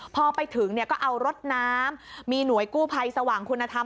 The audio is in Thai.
พอไปถึงเนี่ยก็เอารถน้ำมีหน่วยกู้ภัยสว่างคุณธรรม